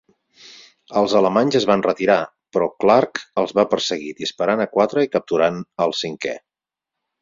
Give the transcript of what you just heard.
Els alemanys es van retirar, però Clarke els va perseguir, disparant a quatre i capturant all cinquè.